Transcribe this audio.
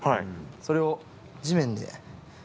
それを地面で。